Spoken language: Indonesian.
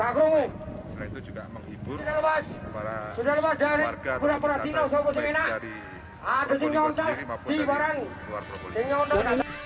selain itu juga menghibur para warga dan wisatawan dari propolinggo sendiri maupun dari luar propolinggo